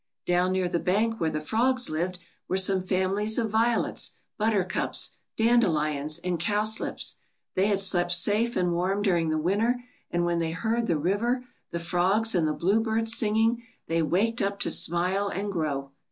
Down near the bank where the frogs lived, were some families of violets, buttercups, dan delions, and cowslips. They had slept 'safe and warm during the winter, and when they heard the river, the frogs, and the bluebirds singing, they waked up to smile and grow.